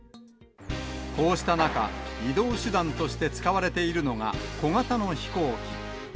こうした中、移動手段として使われているのが小型の飛行機。